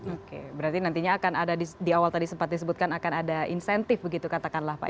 oke berarti nantinya akan ada di awal tadi sempat disebutkan akan ada insentif begitu katakanlah pak